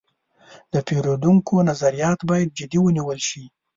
د پیرودونکو نظریات باید جدي ونیول شي.